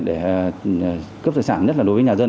để cướp tài sản nhất là đối với nhà dân